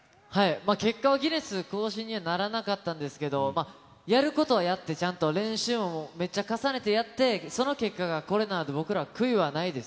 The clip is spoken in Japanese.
結果はギネス更新にはならなかったんですけど、やることはやって、ちゃんと練習もめっちゃ重ねてやって、その結果がこれなので、僕ら、悔いはないです。